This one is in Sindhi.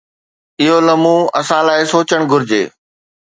اهو لمحو اسان لاءِ سوچڻ گهرجي.